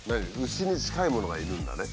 牛に近いものがいるんだね。